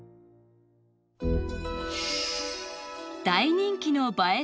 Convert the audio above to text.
大人気の映え